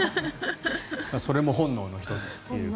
それも本能の１つという。